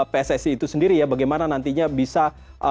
pssi itu sendiri ya bagaimana nantinya bisa